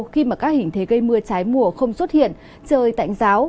khi mà các hình thế gây mưa trái mùa không xuất hiện trời tạnh giáo